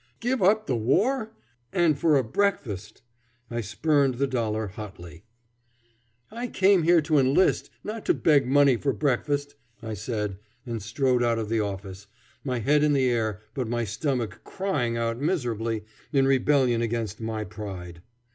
Give up the war! and for a breakfast. I spurned the dollar hotly. "I came here to enlist, not to beg money for breakfast," I said, and strode out of the office, my head in the air but my stomach crying out miserably in rebellion against my pride.